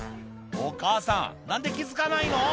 お母さん何で気付かないの？